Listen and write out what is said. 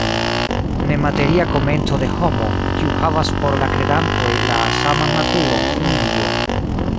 Nemateria komenco de homo, kiu havas por la kredantoj la saman naturon kun Dio.